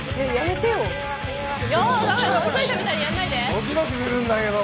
ドキドキするんだけど。